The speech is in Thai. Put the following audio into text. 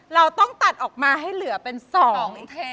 เราต้องตัดออกมาให้เหลือเป็น๒อินเท